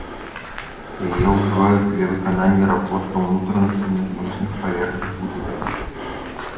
Яе ўжываюць для выканання работ на ўнутраных і на знешніх паверхнях будынкаў.